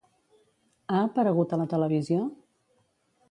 Ha aparegut a la televisió?